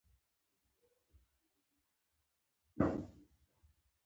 احمد ډېرې خړۍ پړۍ راته وکړې چې کتاب راکړه؛ اخېر مې ورکړ.